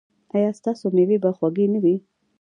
ایا ستاسو میوې به خوږې نه وي؟